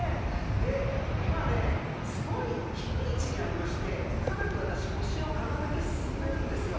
今、すごい低い位置にありましてかなり私、腰をかがめて進んでいるんですよ。